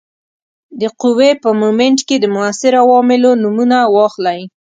د قوې په مومنټ کې د موثرو عواملو نومونه واخلئ.